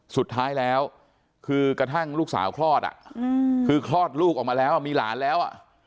สุดท้ายแล้วคือกระทั่งลูกสาวคลอดคือคลอดลูกออกมาแล้วมีหลานแล้ว